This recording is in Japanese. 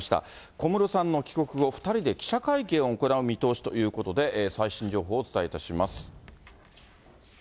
小室さんの帰国後、２人で記者会見を行う見通しということで、最新情報をお伝えいたします。